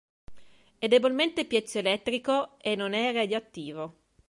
È debolmente piezoelettrico e non è radioattivo.